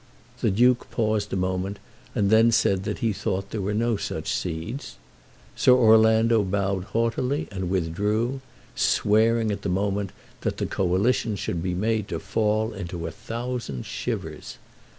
The Duke paused a moment, and then said that he thought there were no such seeds. Sir Orlando bowed haughtily and withdrew swearing at the moment that the Coalition should be made to fall into a thousand shivers.